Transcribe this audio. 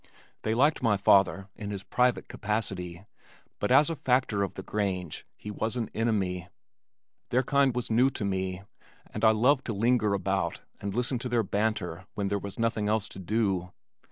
They liked my father in his private capacity, but as a factor of the Grange he was an enemy. Their kind was new to me and I loved to linger about and listen to their banter when there was nothing else to do.